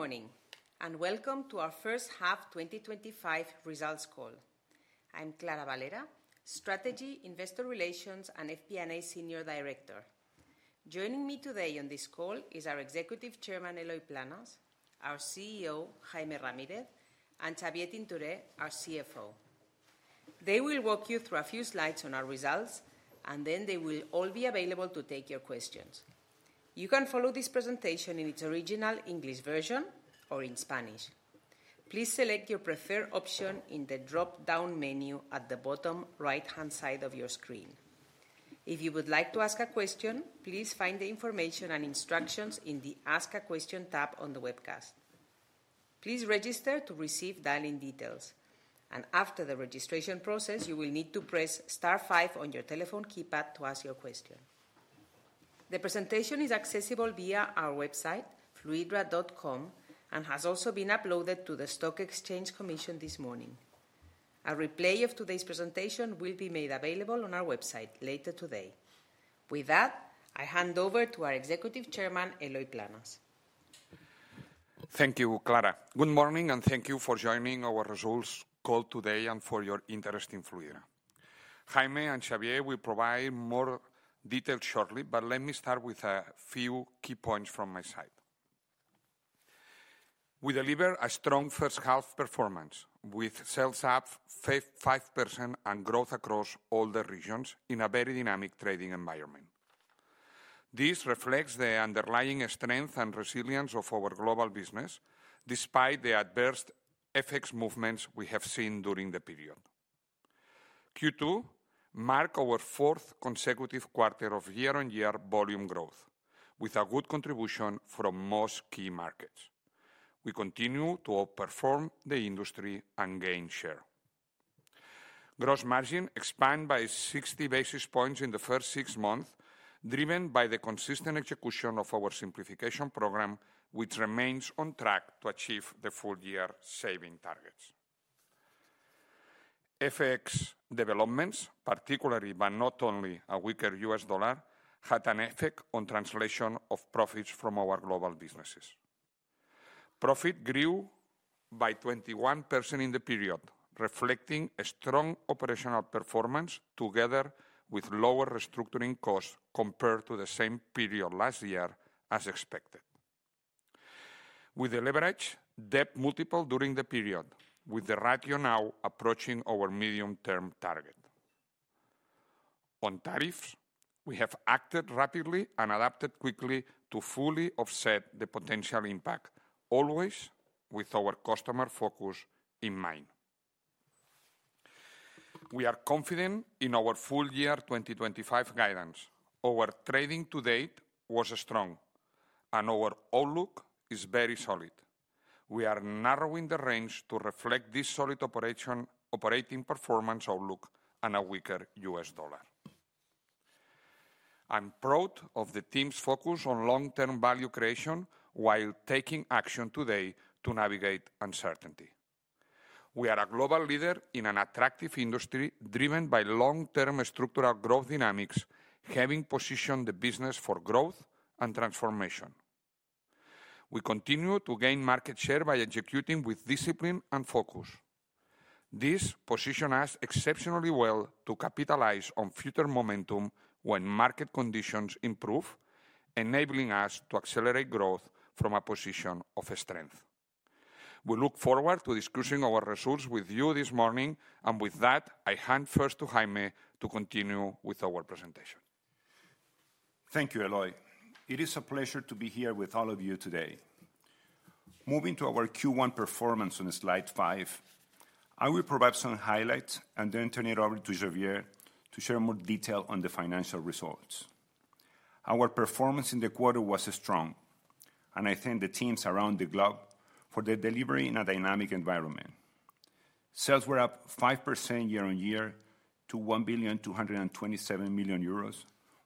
Good morning and welcome to our first half 2025 results call. I'm Clara Valera, Strategy, Investor Relations, and FP&A Senior Director. Joining me today on this call is our Executive Chairman, Eloy Planes, our CEO, Jaime Ramírez, and Xavier Tintoré, our CFO. They will walk you through a few slides on our results, and then they will all be available to take your questions. You can follow this presentation in its original English version or in Spanish. Please select your preferred option in the drop-down menu at the bottom right-hand side of your screen. If you would like to ask a question, please find the information and instructions in the Ask a Question tab on the webcast. Please register to receive dial-in details, and after the registration process, you will need to press star 5 on your telephone keypad to ask your question. The presentation is accessible via our website, fluidra.com, and has also been uploaded to the Stock Exchange Commission this morning. A replay of today's presentation will be made available on our website later today. With that, I hand over to our Executive Chairman, Eloy Planes. Thank you, Clara. Good morning, and thank you for joining our results call today and for your interest in Fluidra. Jaime and Xavier will provide more details shortly, but let me start with a few key points from my side. We delivered a strong first-half performance with sales up 5% and growth across all the regions in a very dynamic trading environment. This reflects the underlying strength and resilience of our global business, despite the adverse FX movements we have seen during the period. Q2 marked our fourth consecutive quarter of year-on-year volume growth, with a good contribution from most key markets. We continue to outperform the industry and gain share. Gross margin expanded by 60 basis points in the first six months, driven by the consistent execution of our simplification program, which remains on track to achieve the full-year saving targets. FX developments, particularly but not only a weaker U.S. dollar, had an effect on the translation of profits from our global businesses. Profit grew by 21% in the period, reflecting a strong operational performance together with lower restructuring costs compared to the same period last year as expected. We delivered a debt multiple during the period, with the ratio now approaching our medium-term target. On tariffs, we have acted rapidly and adapted quickly to fully offset the potential impact, always with our customer focus in mind. We are confident in our full-year 2025 guidance. Our trading to date was strong, and our outlook is very solid. We are narrowing the range to reflect this solid operating performance outlook and a weaker U.S. dollar. I'm proud of the team's focus on long-term value creation while taking action today to navigate uncertainty. We are a global leader in an attractive industry driven by long-term structural growth dynamics, having positioned the business for growth and transformation. We continue to gain market share by executing with discipline and focus. This positions us exceptionally well to capitalize on future momentum when market conditions improve, enabling us to accelerate growth from a position of strength. We look forward to discussing our results with you this morning, and with that, I hand first to Jaime to continue with our presentation. Thank you, Eloy. It is a pleasure to be here with all of you today. Moving to our Q1 performance on slide five, I will provide some highlights and then turn it over to Xavier to share more detail on the financial results. Our performance in the quarter was strong, and I thank the teams around the globe for their delivery in a dynamic environment. Sales were up 5% year-on-year to €1,227 million,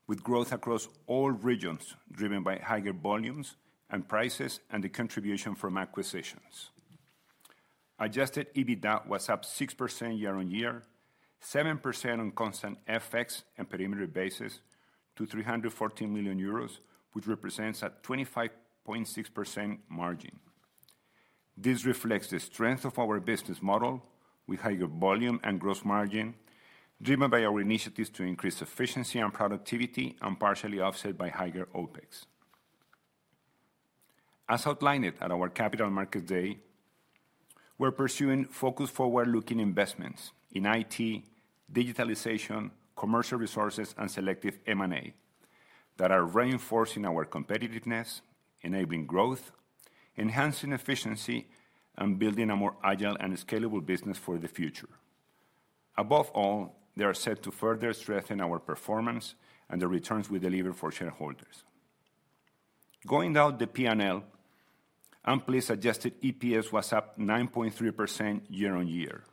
with growth across all regions driven by higher volumes and prices and the contribution from acquisitions. Adjusted EBITDA was up 6% year-on-year, 7% on constant FX and perimeter basis to €314 million, which represents a 25.6% margin. This reflects the strength of our business model with higher volume and gross margin driven by our initiatives to increase efficiency and productivity and partially offset by higher OpEx. As outlined at our Capital Markets Day, we're pursuing focused forward-looking investments in IT, digitalization, commercial resources, and selective M&A that are reinforcing our competitiveness, enabling growth, enhancing efficiency, and building a more agile and scalable business for the future. Above all, they are set to further strengthen our performance and the returns we deliver for shareholders. Going down the P&L, I am pleased adjusted EPS was up 9.3% year-on-year.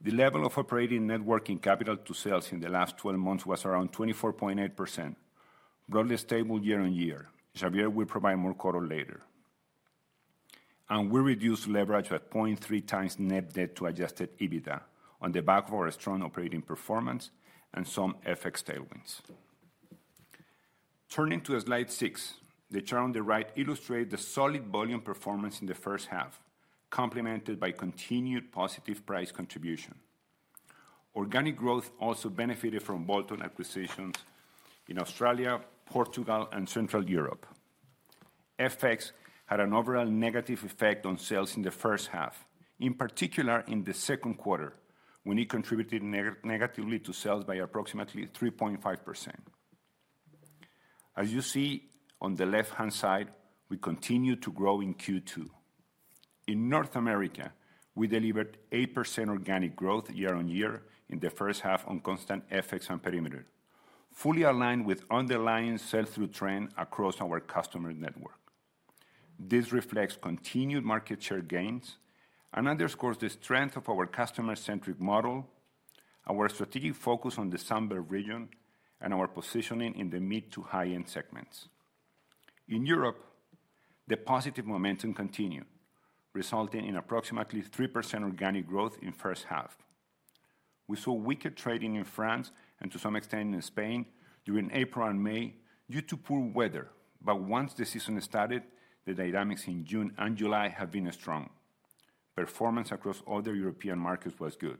The level of operating net working capital to sales in the last 12 months was around 24.8%, broadly stable year-on-year. Xavier will provide more color later. We reduced leverage at 0.3x net debt to adjusted EBITDA on the back of our strong operating performance and some FX tailwinds. Turning to Slide 6, the chart on the right illustrates the solid volume performance in the first half, complemented by continued positive price contribution. Organic growth also benefited from bolt-on acquisitions in Australia, Portugal, and Central Europe. FX had an overall negative effect on sales in the first half, in particular in the second quarter, when it contributed negatively to sales by approximately 3.5%. As you see on the left-hand side, we continue to grow in Q2. In North America, we delivered 8% organic growth year-on-year in the first half on constant FX and perimeter, fully aligned with underlying sell-through trend across our customer network. This reflects continued market share gains and underscores the strength of our customer-centric model, our strategic focus on the Sunbelt region, and our positioning in the mid to high-end segments. In Europe, the positive momentum continued, resulting in approximately 3% organic growth in the first half. We saw weaker trading in France and to some extent in Spain during April and May due to poor weather, but once the season started, the dynamics in June and July have been strong. Performance across other European markets was good.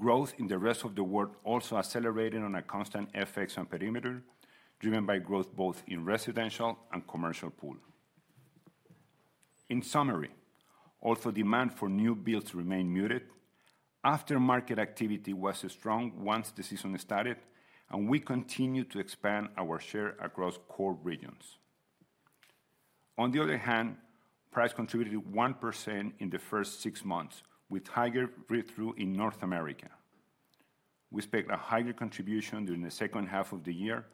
Growth in the rest of the world also accelerated on a constant FX and perimeter, driven by growth both in residential and commercial pool. In summary, although demand for new builds remained muted, aftermarket activity was strong once the season started, and we continued to expand our share across core regions. On the other hand, price contributed 1% in the first six months, with higher read-through in North America. We expect a higher contribution during the second half of the year,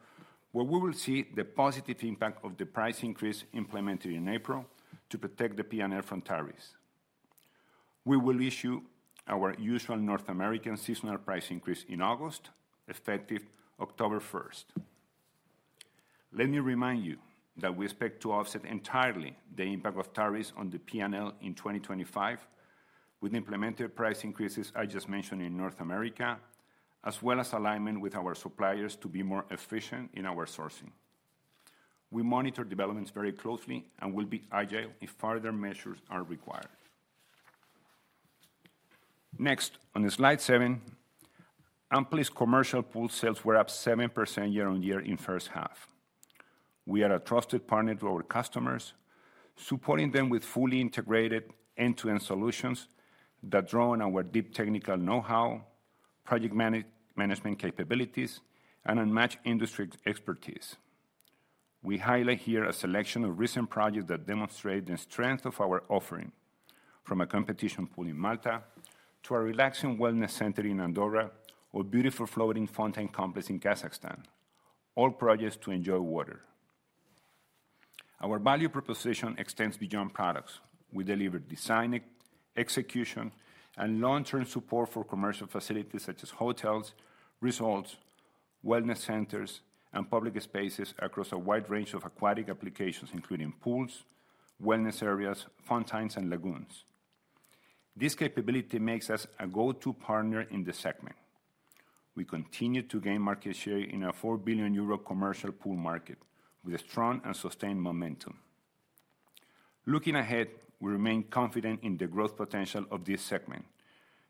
where we will see the positive impact of the price increase implemented in April to protect the P&L from tariffs. We will issue our usual North American seasonal price increase in August, effective October 1. Let me remind you that we expect to offset entirely the impact of tariffs on the P&L in 2025 with implemented price increases I just mentioned in North America, as well as alignment with our suppliers to be more efficient in our sourcing. We monitor developments very closely and will be agile if further measures are required. Next, on Slide 7, commercial pool sales were up 7% year-on-year in the first half. We are a trusted partner to our customers, supporting them with fully integrated end-to-end solutions that draw on our deep technical know-how, project management capabilities, and unmatched industry expertise. We highlight here a selection of recent projects that demonstrate the strength of our offering, from a competition pool in Malta to a relaxing wellness center in Andorra or a beautiful floating fountain complex in Kazakhstan, all projects to enjoy water. Our value proposition extends beyond products. We deliver design, execution, and long-term support for commercial facilities such as hotels, resorts, wellness centers, and public spaces across a wide range of aquatic applications, including pools, wellness areas, fountains, and lagoons. This capability makes us a go-to partner in this segment. We continue to gain market share in a €4 billion commercial pool market with a strong and sustained momentum. Looking ahead, we remain confident in the growth potential of this segment,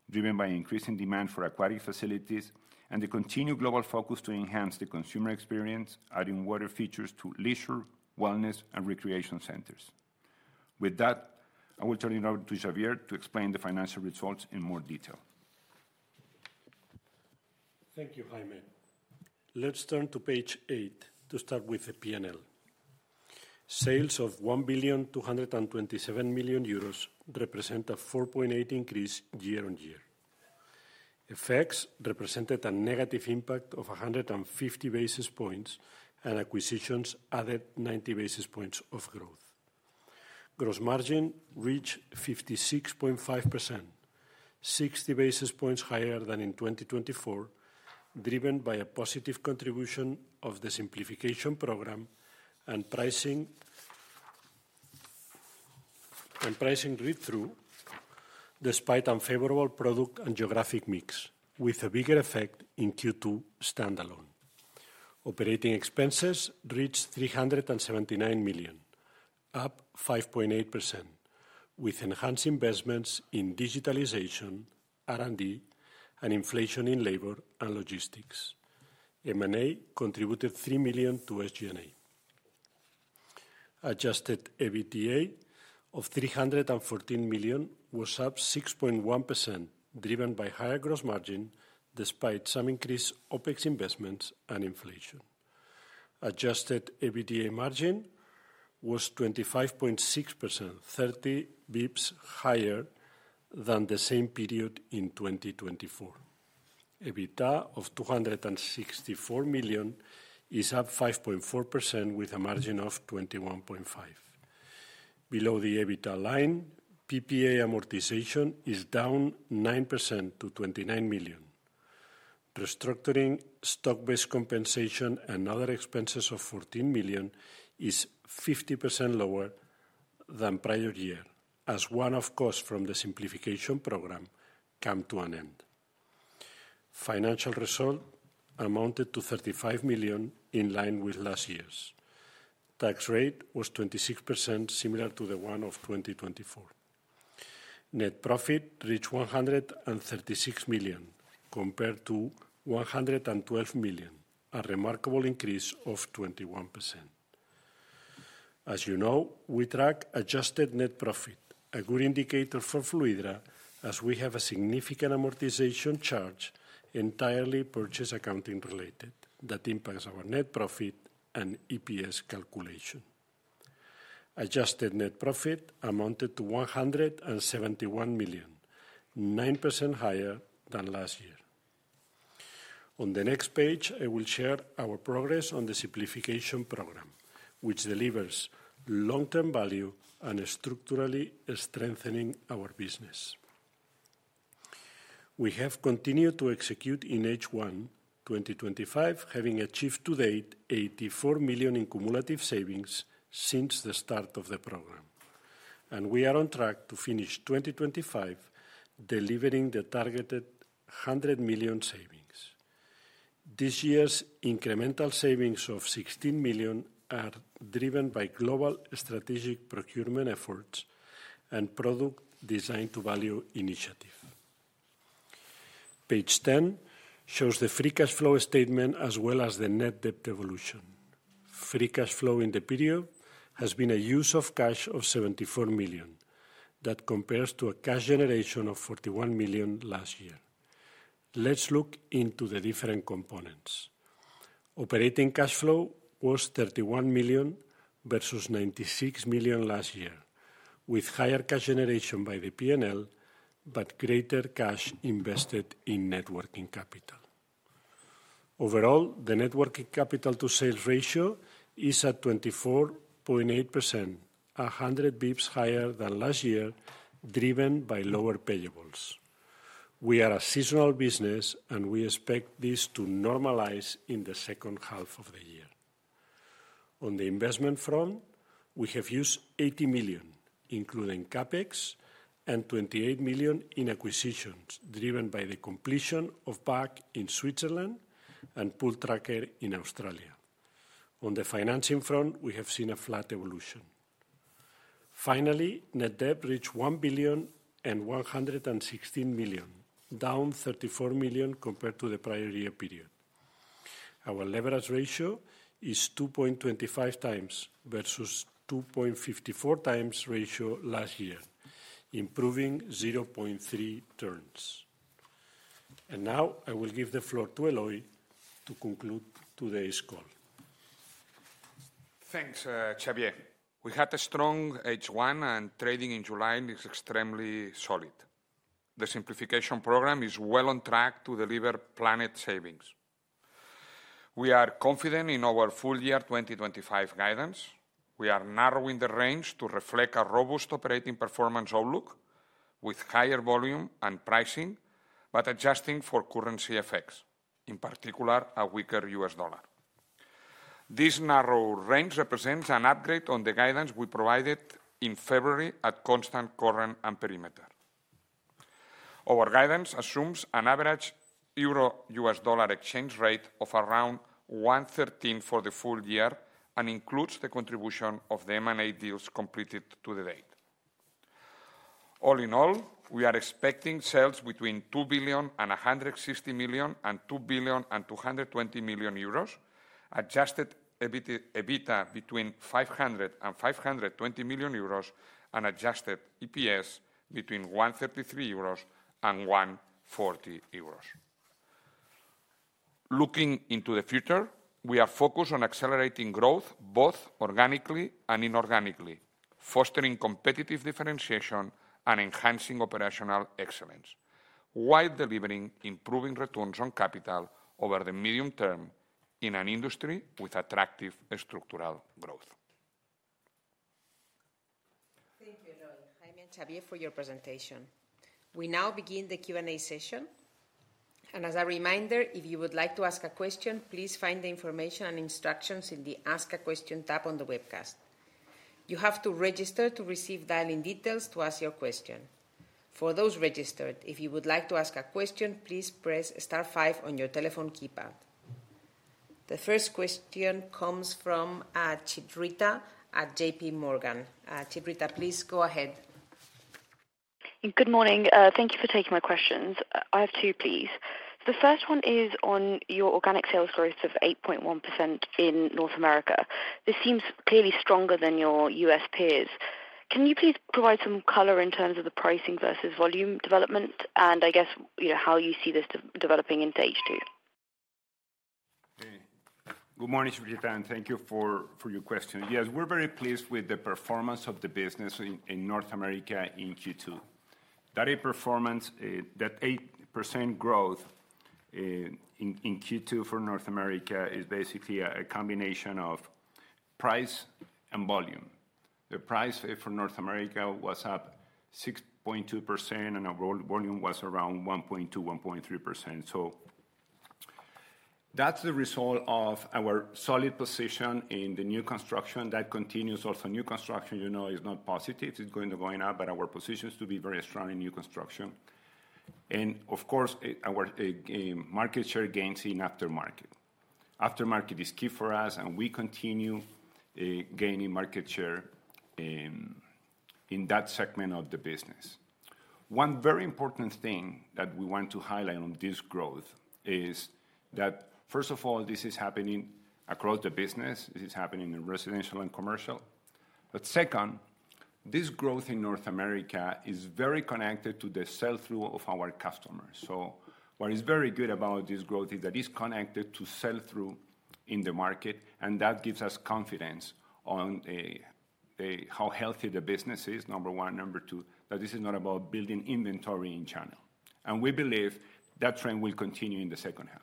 driven by increasing demand for aquatic facilities and the continued global focus to enhance the consumer experience, adding water features to leisure, wellness, and recreation centers. With that, I will turn it over to Xavier to explain the financial results in more detail. Thank you, Jaime. Let's turn to page eight to start with the P&L. Sales of €1,227 million represent a 4.8% increase year-on-year. FX represented a negative impact of 150 basis points, and acquisitions added 90 basis points of growth. Gross margin reached 56.5%, 60 basis points higher than in 2024, driven by a positive contribution of the simplification program and pricing read-through despite unfavorable product and geographic mix, with a bigger effect in Q2 standalone. Operating expenses reached €379 million, up 5.8%, with enhanced investments in digitalization, R&D, and inflation in labor and logistics. M&A contributed €3 million to SG&A. Adjusted EBITDA of €314 million was up 6.1%, driven by higher gross margin despite some increased OPEX investments and inflation. Adjusted EBITDA margin was 25.6%, 30 basis points higher than the same period in 2024. EBITDA of €264 million is up 5.4% with a margin of 21.5%. Below the EBITDA line, PPA amortization is down 9% to €29 million. Restructuring, stock-based compensation, and other expenses of €14 million is 50% lower than prior year as one-off costs from the simplification program come to an end. Financial result amounted to €35 million in line with last year's. Tax rate was 26%, similar to the one of 2024. Net profit reached €136 million compared to €112 million, a remarkable increase of 21%. As you know, we track adjusted net profit, a good indicator for Fluidra as we have a significant amortization charge entirely purchase accounting related that impacts our net profit and EPS calculation. Adjusted net profit amounted to €171 million, 9% higher than last year. On the next page, I will share our progress on the simplification program, which delivers long-term value and is structurally strengthening our business. We have continued to execute in H1 2025, having achieved to date €84 million in cumulative savings since the start of the program. We are on track to finish 2025, delivering the targeted €100 million savings. This year's incremental savings of €16 million are driven by global strategic procurement efforts and product design-to-value initiative. Page 10 shows the free cash flow statement as well as the net debt evolution. Free cash flow in the period has been a use of cash of €74 million that compares to a cash generation of €41 million last year. Let's look into the different components. Operating cash flow was €31 million versus €96 million last year, with higher cash generation by the P&L but greater cash invested in net working capital. Overall, the net working capital-to-sales ratio is at 24.8%, 100 basis point higher than last year, driven by lower payables. We are a seasonal business and we expect this to normalize in the second half of the year. On the investment front, we have used €80 million, including CapEx, and €28 million in acquisitions driven by the completion of BAK in Switzerland and Pooltrackr in Australia. On the financing front, we have seen a flat evolution. Finally, net debt reached €1,116 million, down €34 million compared to the prior year period. Our leverage ratio is 2.25x versus 2.54x ratio last year, improving 0.3x turns. I will give the floor to Eloy to conclude today's call. Thanks, Xavier. We had a strong H1 and trading in July is extremely solid. The simplification program is well on track to deliver planned savings. We are confident in our full-year 2025 guidance. We are narrowing the range to reflect a robust operating performance outlook with higher volume and pricing, but adjusting for currency effects, in particular a weaker U.S. dollar. This narrow range represents an upgrade on the guidance we provided in February at constant currency and perimeter. Our guidance assumes an average EUR/USD rate of around 1.13 for the full year and includes the contribution of the M&A deals completed to date. All in all, we are expecting sales between €2.16 billion and €2.22 billion, adjusted EBITDA between €500 million and €520 million, and adjusted EPS between €133 million and €140 million. Looking into the future, we are focused on accelerating growth both organically and inorganically, fostering competitive differentiation and enhancing operational excellence, while delivering improving returns on capital over the medium term in an industry with attractive structural growth. Thank you, Eloy, Jaime, and Xavier for your presentation. We now begin the Q&A session. As a reminder, if you would like to ask a question, please find the information and instructions in the Ask a Question tab on the webcast. You have to register to receive dial-in details to ask your question. For those registered, if you would like to ask a question, please press star 5 on your telephone keypad. The first question comes from Chitrita at JPMorgan. Chitrita, please go ahead. Good morning. Thank you for taking my questions. I have two, please. The first one is on your organic sales growth of 8.1% in North America. This seems clearly stronger than your U.S. peers. Can you please provide some color in terms of the pricing versus volume development, and I guess how you see this developing in stage two? Good morning, Chitrita, and thank you for your question. Yes, we're very pleased with the performance of the business in North America in Q2. That 8% growth in Q2 for North America is basically a combination of price and volume. The price for North America was up 6.2% and our volume was around 1.2%, 1.3%. That's the result of our solid position in the new construction that continues. Also, new construction, you know, is not positive. It's going to go up, but our position is to be very strong in new construction. Of course, our market share gains in aftermarket. Aftermarket is key for us and we continue gaining market share in that segment of the business. One very important thing that we want to highlight on this growth is that, first of all, this is happening across the business. This is happening in residential and commercial. Second, this growth in North America is very connected to the sell-through of our customers. What is very good about this growth is that it's connected to sell-through in the market and that gives us confidence on how healthy the business is, number one. Number two, this is not about building inventory in channel. We believe that trend will continue in the second half.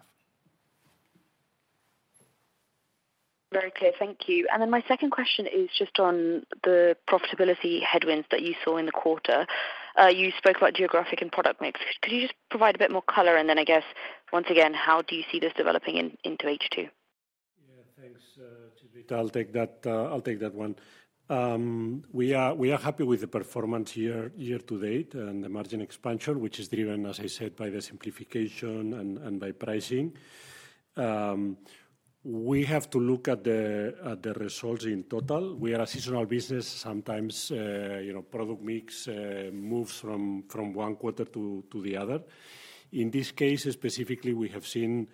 Very clear. Thank you. My second question is just on the profitability headwinds that you saw in the quarter. You spoke about geographic and product mix. Could you just provide a bit more color, and then I guess, once again, how do you see this developing into H2? Yeah, thanks, Chitrita. I'll take that one. We are happy with the performance year-to-date and the margin expansion, which is driven, as I said, by the simplification and by pricing. We have to look at the results in total. We are a seasonal business. Sometimes, you know, product mix moves from one quarter to the other. In this case, specifically, we have seen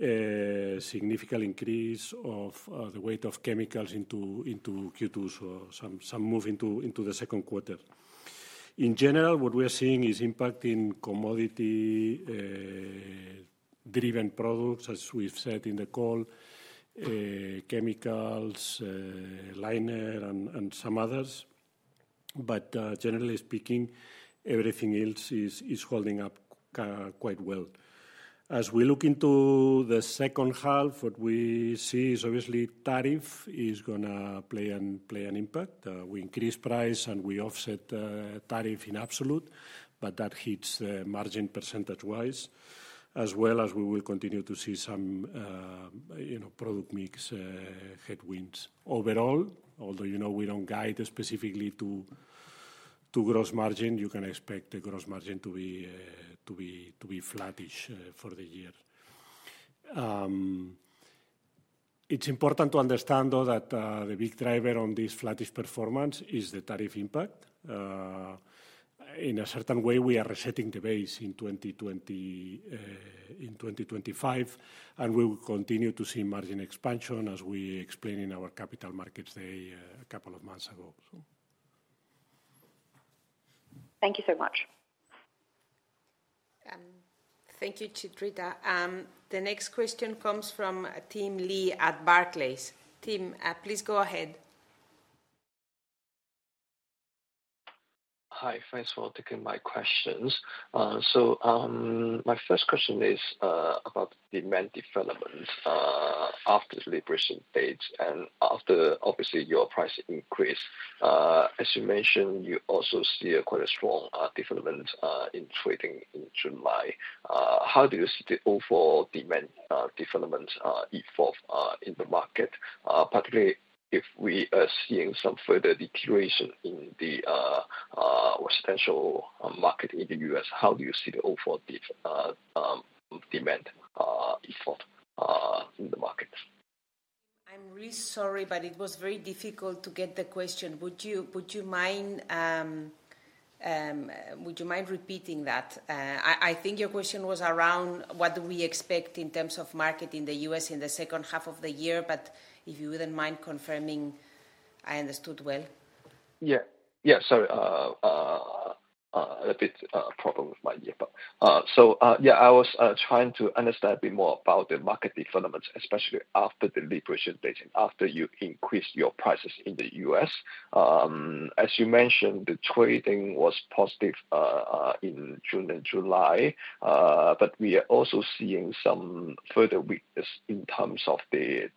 a significant increase of the weight of chemicals into Q2, so some move into the second quarter. In general, what we are seeing is impact in commodity-driven products, as we've said in the call, chemicals, liner, and some others. Generally speaking, everything else is holding up quite well. As we look into the second half, what we see is obviously tariff is going to play an impact. We increase price and we offset tariff in absolute, but that hits the margin % wise, as well as we will continue to see some product mix headwinds. Overall, although you know we don't guide specifically to gross margin, you can expect the gross margin to be flattish for the year. It's important to understand, though, that the big driver on this flattish performance is the tariff impact. In a certain way, we are resetting the base in 2025, and we will continue to see margin expansion as we explained in our Capital Markets Day a couple of months ago. Thank you so much. Thank you, Chitrita. The next question comes from Tim Lee at Barclays. Tim, please go ahead. Hi. Thanks for taking my questions. My first question is about demand development after the deliberation dates and after, obviously, your price increase. As you mentioned, you also see quite a strong development in trading in July. How do you see the overall demand development evolve in the market, particularly if we are seeing some further deterioration in the residential market in the U.S.? How do you see the overall demand evolve in the market? I'm really sorry, but it was very difficult to get the question. Would you mind repeating that? I think your question was around what do we expect in terms of market in the US in the second half of the year, but if you wouldn't mind confirming I understood well. Yeah, sorry. A bit of a problem with my ear. I was trying to understand a bit more about the market development, especially after the deliberation dates and after you increased your prices in the U.S. As you mentioned, the trading was positive in June and July, but we are also seeing some further weakness in terms of the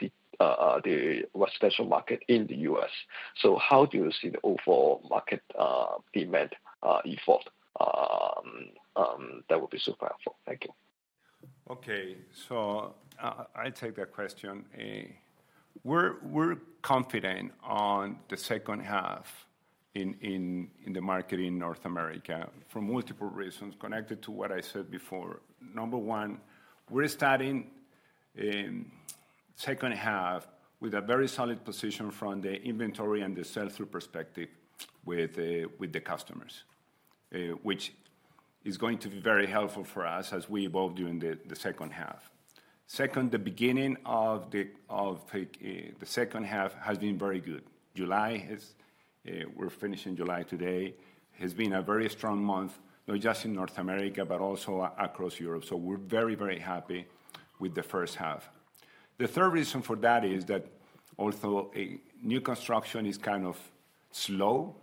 residential market in the U.S. How do you see the overall market demand evolve? That would be super helpful. Thank you. Okay. I take that question. We're confident on the second half in the market in North America for multiple reasons connected to what I said before. Number one, we're starting the second half with a very solid position from the inventory and the sell-through perspective with the customers, which is going to be very helpful for us as we evolve during the second half. Second, the beginning of the second half has been very good. July, we're finishing July today, has been a very strong month, not just in North America, but also across Europe. We're very, very happy with the first half. The third reason for that is that also new construction is kind of slow.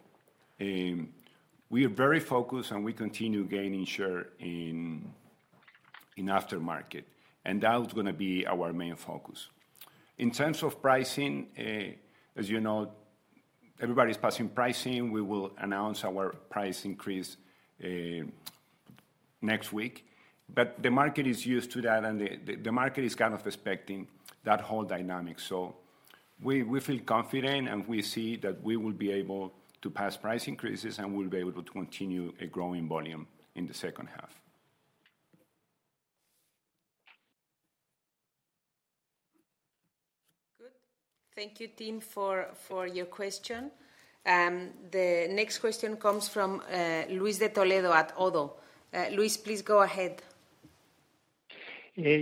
We are very focused and we continue gaining share in aftermarket. That is going to be our main focus. In terms of pricing, as you know, everybody's passing pricing. We will announce our price increase next week. The market is used to that and the market is kind of expecting that whole dynamic. We feel confident and we see that we will be able to pass price increases and we'll be able to continue growing volume in the second half. Good. Thank you, Tim, for your question. The next question comes from Luis De Toledo at ODDO. Luis, please go ahead.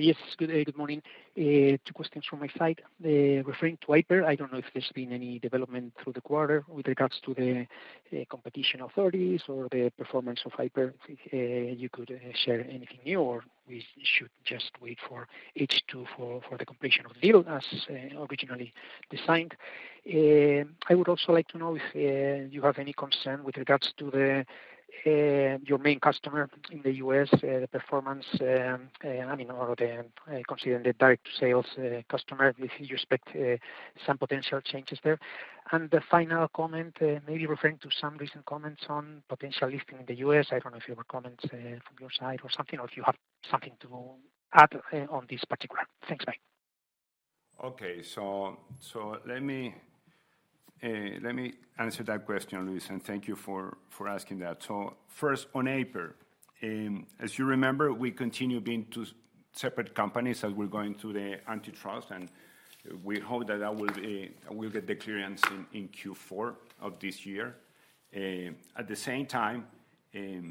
Yes. Good morning. Two questions from my side. Referring to Aiper, I don't know if there's been any development through the quarter with regards to the competition authorities or the performance of Aiper. If you could share anything new or we should just wait for H2 for the completion of the deal as originally designed. I would also like to know if you have any concern with regards to your main customer in the U.S., the performance, I mean, or considering the direct sales customer, if you expect some potential changes there. The final comment, maybe referring to some recent comments on potential listing in the U.S. I don't know if you have comments from your side or if you have something to add on this particular. Thanks. Bye. Okay. Let me answer that question, Luis, and thank you for asking that. First, on Aiper, as you remember, we continue being two separate companies as we're going through the antitrust and we hope that we'll get the clearance in Q4 of this year. At the same time, the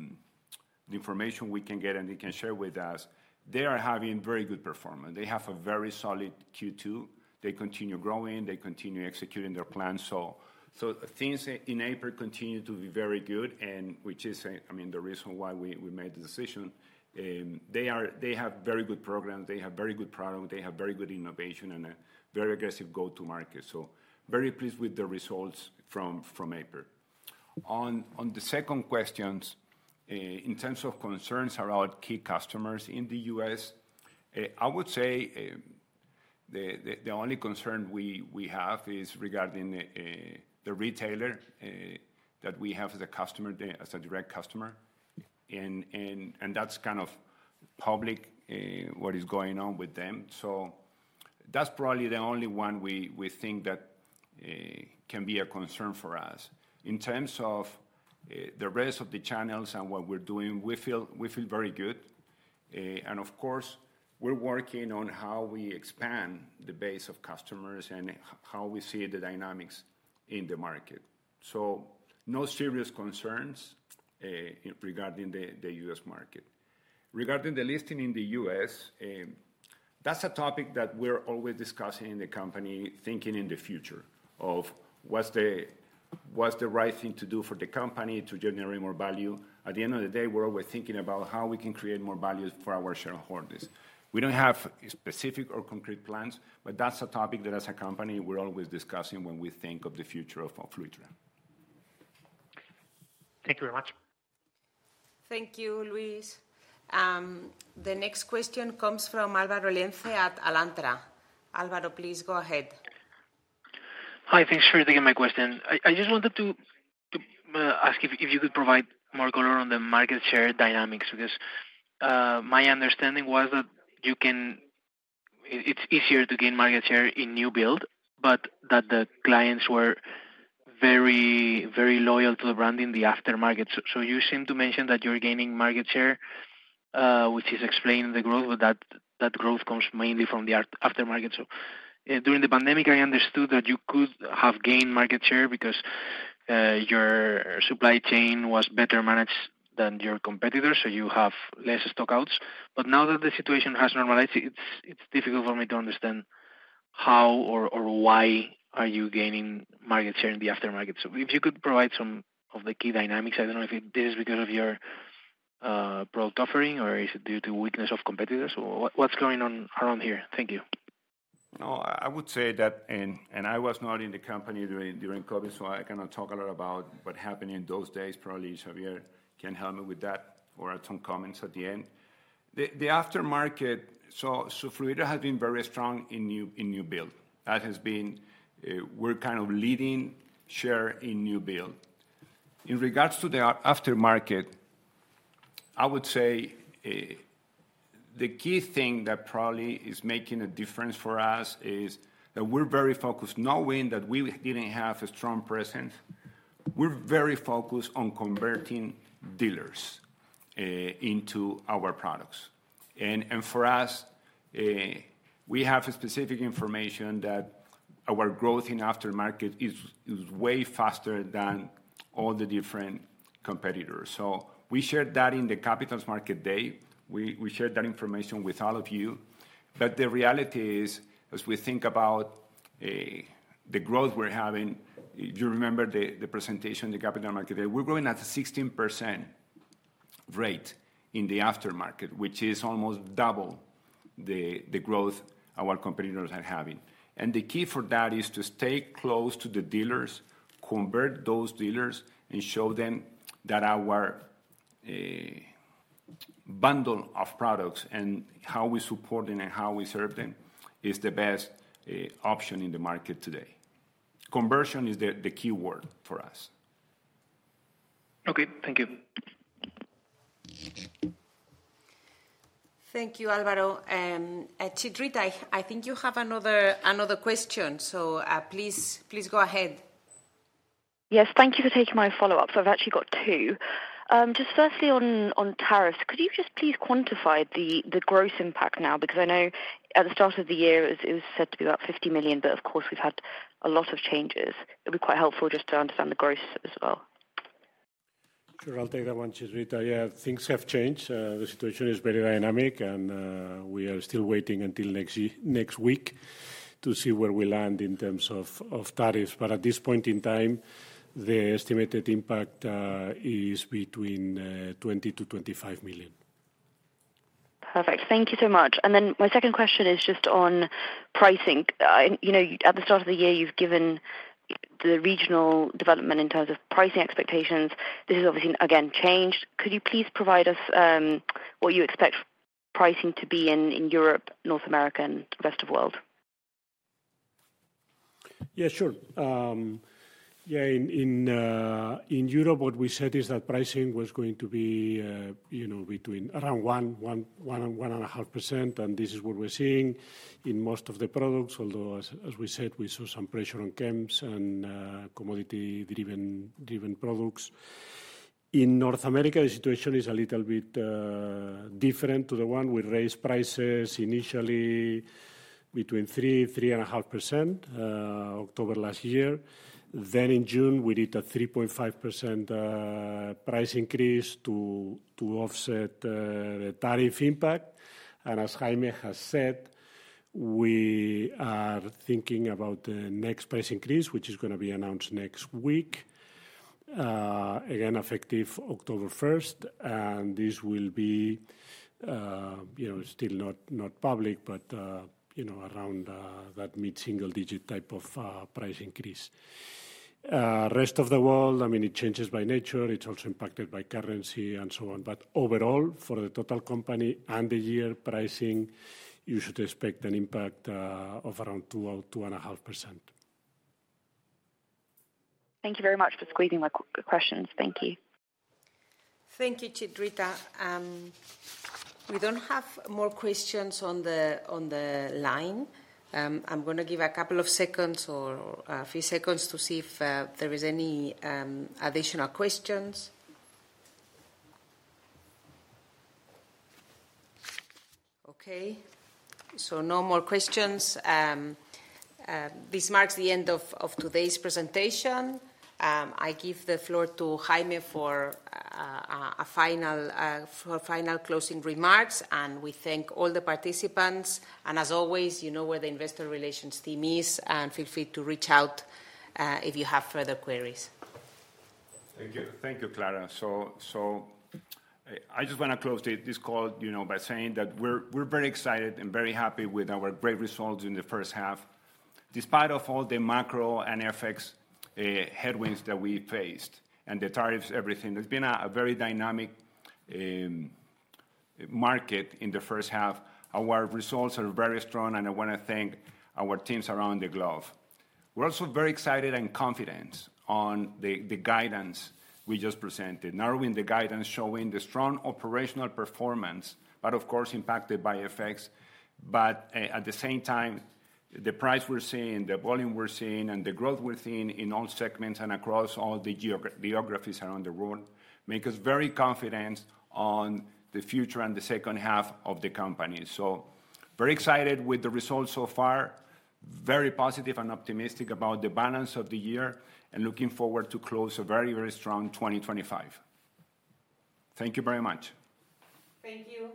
information we can get and they can share with us, they are having very good performance. They have a very solid Q2. They continue growing. They continue executing their plans. Things in Aiper continue to be very good, which is, I mean, the reason why we made the decision. They have very good programs. They have very good products. They have very good innovation and a very aggressive go-to-market. Very pleased with the results from Aiper. On the second question, in terms of concerns around key customers in the U.S., I would say the only concern we have is regarding the retailer that we have as a direct customer. That's kind of public what is going on with them. That's probably the only one we think that can be a concern for us. In terms of the rest of the channels and what we're doing, we feel very good. Of course, we're working on how we expand the base of customers and how we see the dynamics in the market. No serious concerns regarding the U.S. market. Regarding the listing in the U.S., that's a topic that we're always discussing in the company, thinking in the future of what's the right thing to do for the company to generate more value. At the end of the day, we're always thinking about how we can create more value for our shareholders. We don't have specific or concrete plans, but that's a topic that as a company we're always discussing when we think of the future of Fluidra. Thank you very much. Thank you, Luis. The next question comes from Álvaro Ussía at Alantara. Álvaro, please go ahead. Hi. Thanks for taking my question. I just wanted to ask if you could provide more color on the market share dynamics because my understanding was that it's easier to gain market share in new build, but that the clients were very, very loyal to the brand in the aftermarket. You seem to mention that you're gaining market share, which is explained in the growth, but that growth comes mainly from the aftermarket. During the pandemic, I understood that you could have gained market share because your supply chain was better managed than your competitors, so you had less stockouts. Now that the situation has normalized, it's difficult for me to understand how or why you are gaining market share in the aftermarket. If you could provide some of the key dynamics, I don't know if this is because of your product offering or is it due to weakness of competitors. What's going on around here? Thank you. No, I would say that, and I was not in the company during COVID, so I cannot talk a lot about what happened in those days. Probably Xavier can help me with that or add some comments at the end. The aftermarket, so Fluidra has been very strong in new build. That has been we're kind of leading share in new build. In regards to the aftermarket, I would say the key thing that probably is making a difference for us is that we're very focused, knowing that we didn't have a strong presence. We're very focused on converting dealers into our products. For us, we have specific information that our growth in aftermarket is way faster than all the different competitors. We shared that in the Capital Markets Day. We shared that information with all of you. The reality is, as we think about the growth we're having, you remember the presentation in the Capital Markets Day, we're growing at a 16% rate in the aftermarket, which is almost double the growth our competitors are having. The key for that is to stay close to the dealers, convert those dealers, and show them that our bundle of products and how we support them and how we serve them is the best option in the market today. Conversion is the key word for us. Okay, thank you. Thank you, Álvaro. Chitrita, I think you have another question, so please go ahead. Yes. Thank you for taking my follow-up. I've actually got two. Firstly, on tariffs, could you just please quantify the gross impact now? I know at the start of the year, it was said to be about $50 million, but of course, we've had a lot of changes. It would be quite helpful just to understand the gross as well. Sure. I'll take that one, Chidrita. Yeah, things have changed. The situation is very dynamic, and we are still waiting until next week to see where we land in terms of tariffs. At this point in time, the estimated impact is between $20 million-$25 million. Perfect. Thank you so much. My second question is just on pricing. At the start of the year, you've given the regional development in terms of pricing expectations. This has obviously, again, changed. Could you please provide us what you expect pricing to be in Europe, North America, and the rest of the world? Yeah, sure. In Europe, what we said is that pricing was going to be between around 1.5% and 1.5%, and this is what we're seeing in most of the products, although as we said, we saw some pressure on CEMS and commodity-driven products. In North America, the situation is a little bit different. We raised prices initially between 3% and 3.5% in October last year. In June, we did a 3.5% price increase to offset the tariff impact. As Jaime has said, we are thinking about the next price increase, which is going to be announced next week, effective October 1st. This will be still not public, but around that mid-single-digit type of price increase. The rest of the world, it changes by nature. It's also impacted by currency and so on. Overall, for the total company and the year pricing, you should expect an impact of around 2% or 2.5%. Thank you very much for squeezing my questions. Thank you. Thank you, Chitrita. We don't have more questions on the line. I'm going to give a couple of seconds or a few seconds to see if there are any additional questions. Okay. No more questions. This marks the end of today's presentation. I give the floor to Jaime for final closing remarks. We thank all the participants. As always, you know where the Investor Relations team is, and feel free to reach out if you have further queries. Thank you. Thank you, Clara. I just want to close this call by saying that we're very excited and very happy with our great results in the first half. Despite all the macro and FX headwinds that we faced and the tariffs, everything, it's been a very dynamic market in the first half. Our results are very strong, and I want to thank our teams around the globe. We're also very excited and confident on the guidance we just presented, narrowing the guidance, showing the strong operational performance, of course, impacted by FX. At the same time, the price we're seeing, the volume we're seeing, and the growth we're seeing in all segments and across all the geographies around the world make us very confident on the future and the second half of the company. Very excited with the results so far, very positive and optimistic about the balance of the year, and looking forward to close a very, very strong 2025. Thank you very much. Thank you.